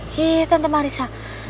aku bisa mempergunain tante marissa